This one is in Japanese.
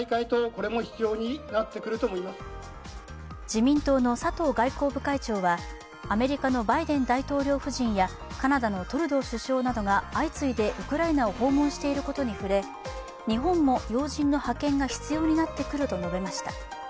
自民党の佐藤外交部会長はアメリカのバイデン大統領夫人やカナダのトルドー首相などが相次いでウクライナを訪問していることに触れ日本も要人の派遣が必要になってくると述べました。